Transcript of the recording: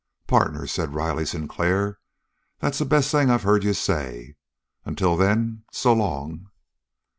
"Partner," said Riley Sinclair, "that's the best thing I've heard you say. Until then, so long!"